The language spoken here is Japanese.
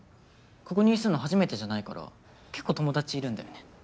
ここ入院するの初めてじゃないから結構友達いるんだよね